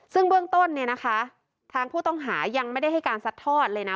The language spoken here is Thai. ซึ่งเบื้องต้นเนี่ยนะคะทางผู้ต้องหายังไม่ได้ให้การซัดทอดเลยนะ